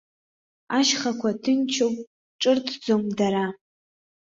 Ашьхақәа ҭынчуп, ҿырҭӡом дара.